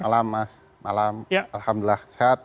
malam mas malam alhamdulillah sehat